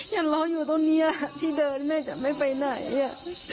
อย่าร้องอยู่ตรงนี้อ่ะสที่ดื่มแม่ครับจะไม่ไปไหนอ่ะ